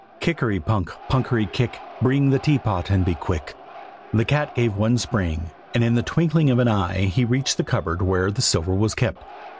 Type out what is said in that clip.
Kickery punk, punkery kick, Bring the teapot and be quick!" The cat gave one spring, and in the twinkling of an eye he reached the cupboard where the silver was kept.